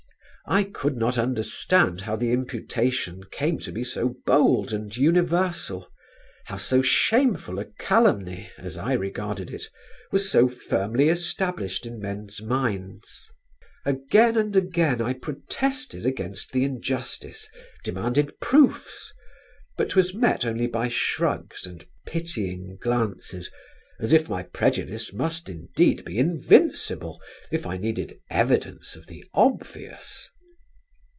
I could not understand how the imputation came to be so bold and universal; how so shameful a calumny, as I regarded it, was so firmly established in men's minds. Again and again I protested against the injustice, demanded proofs; but was met only by shrugs and pitying glances as if my prejudice must indeed be invincible if I needed evidence of the obvious.